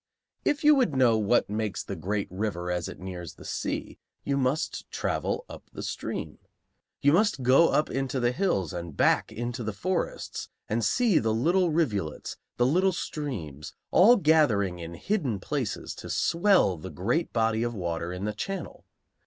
If you would know what makes the great river as it nears the sea, you must travel up the stream. You must go up into the hills and back into the forests and see the little rivulets, the little streams, all gathering in hidden places to swell the great body of water in the channel.